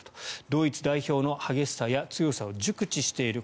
ドイツ代表の激しさや強さを熟知している